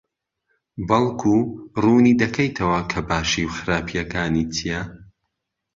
بەڵکو ڕوونی دەکەیتەوە کە باشی و خراپییەکانی چییە؟